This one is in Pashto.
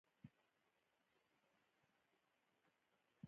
د هېواد خبريالان مسافر سوي خواران.